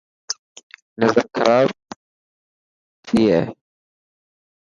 نظر خراب شي هي.